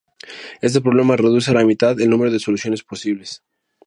Este problema reduce a la mitad el número de soluciones posibles.